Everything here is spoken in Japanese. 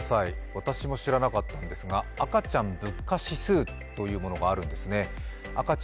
私も知らなかったんですが赤ちゃん物価指数というのがあるんですね。